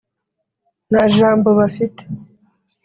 nta jambo bafite